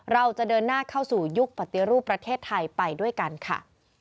เราจะเดินหน้าเข้าสู่ยุคปฏิรูปประเทศไทยไปด้วยกันค่ะ